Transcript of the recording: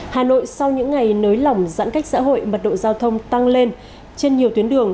hà nội sau những ngày nới lỏng giãn cách xã hội mật độ giao thông tăng lên trên nhiều tuyến đường